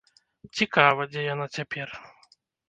Цікава, дзе яна цяпер.